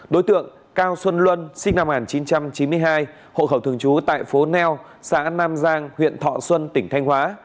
đối tượng cao xuân luân sinh năm một nghìn chín trăm chín mươi hai hộ khẩu thường trú tại phố neo xã nam giang huyện thọ xuân tỉnh thanh hóa